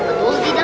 betul jin pakdeh